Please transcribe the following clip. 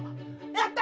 やった！